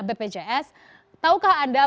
bpjs tahukah anda